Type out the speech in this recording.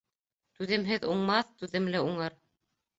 Түҙемһеҙ уңмаҫ, түҙемле уңыр.